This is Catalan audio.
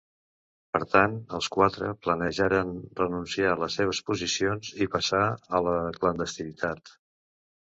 Per tant, els quatre planejaren renunciar a les seves posicions i passar a la clandestinitat.